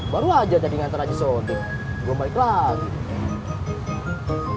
baru aja tadi ngantar aja sodi gue balik lagi